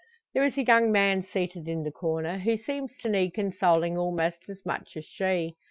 There is a young man seated in the corner, who seems to need consoling almost as much as she.